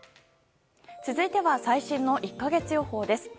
続いては最新の１か月予報です。